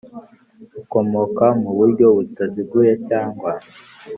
Ukomoka mu buryo butaziguye cyangwa